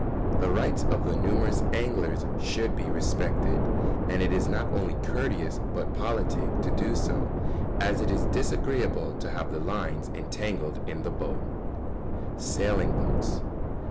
] The rights of the numerous anglers should be respected; and it is not only courteous but politic to do so, as it is disagreeable to have the lines entangled in the boat. [Sidenote: Sailing boats.